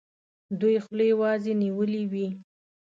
دوی خولې وازي نیولي وي.